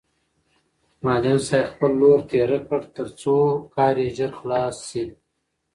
معلم صاحب خپل لور تېره کړ ترڅو کار یې ژر خلاص شي.